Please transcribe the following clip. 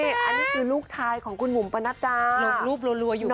อันนี้คือลูกชายของคุณบุ๋มปนัดดาหลงรูปรัวอยู่นะ